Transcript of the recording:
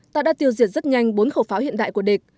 ta đã tiêu diệt rất nhanh bốn khẩu pháo hiện đại của địch